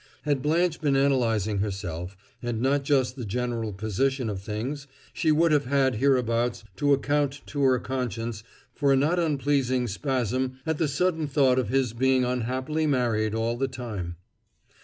Had Blanche been analyzing herself, and not just the general position of things, she would have had hereabouts to account to her conscience for a not unpleasing spasm at the sudden thought of his being unhappily married all the time.